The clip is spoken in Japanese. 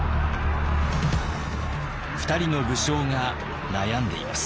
２人の武将が悩んでいます。